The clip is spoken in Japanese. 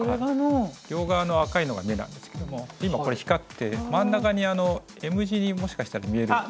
両側の赤いのが目なんですけども今これ光って真ん中にＭ字にもしかしたら見えるような。